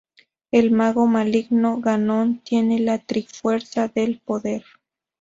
El mago maligno Ganon tiene la Trifuerza del Poder.